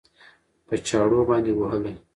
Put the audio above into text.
په چاړو باندې وهلى؟